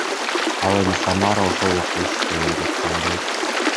Ал эми Самара ошол убакта иштебей жаткан болчу.